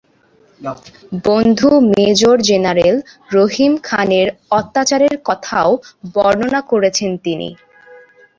বন্ধু major general Rahim খানের অত্যাচারের কথাও বর্ণনা করেছেন তিনি।